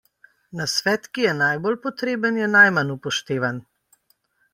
Nasvet, ki je najbolj potreben, je najmanj upoštevan.